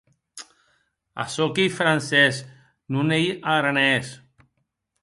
J’ai tout de suit reconnu Madame la princesse, intervenguec mademoiselle Bourienne.